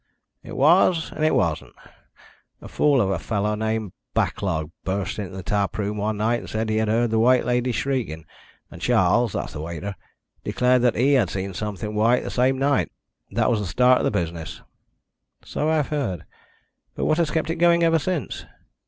"It was and it wasn't. A fool of a fellow named Backlog burst into the tap room one night and said he had heard the White Lady shrieking, and Charles that's the waiter declared that he had seen something white the same night. That was the start of the business." "So I have heard. But what has kept it going ever since?"